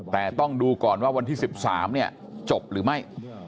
แต่ต้องดูก่อนว่าวันที่๑๓จบหรือไม่